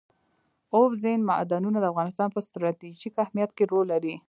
اوبزین معدنونه د افغانستان په ستراتیژیک اهمیت کې رول لري.